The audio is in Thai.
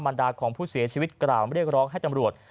มันดาของผู้เสียชีวิตกล่าวเรียกร้องให้ตำรวจ